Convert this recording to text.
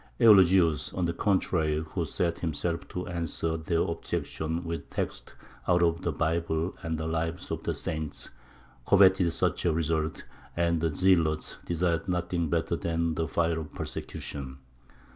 Eulogius, on the contrary, who set himself to answer their objections with texts out of the Bible and the Lives of the Saints, coveted such a result, and the zealots desired nothing better than the fire of persecution.